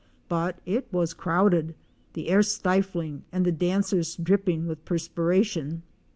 But it was crowded; the air stifling and the dancers dripping with perspiration.